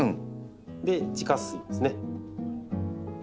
で地下水ですね。